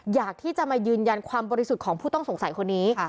อยากที่จะมายืนยันความบริสุทธิ์ของผู้ต้องสงสัยคนนี้